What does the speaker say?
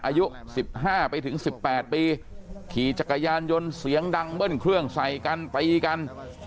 อายุสิบห้าไปถึงสิบแปดปีขี่จักรยานยนต์เสียงดังเมื่อนเครื่องใส่กันไปกัน